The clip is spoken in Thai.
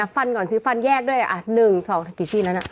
นับฟันก่อนซื้อฟันแยกด้วยอ่ะ๑๒กี่ทีแล้วนะ